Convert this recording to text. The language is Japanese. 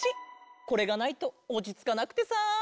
これがないとおちつかなくてさ。